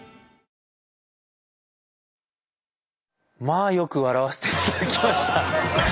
まあよく笑わせていただきました。